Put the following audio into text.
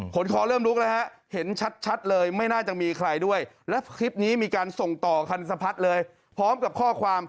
เหมือนกับคนเอาขาถีบพื้นฮะ